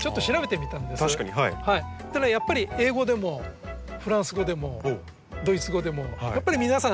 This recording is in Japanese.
ただやっぱり英語でもフランス語でもドイツ語でもやっぱり皆さん